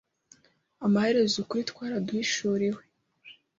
Amaherezo, ukuri twaraduhishuriwe.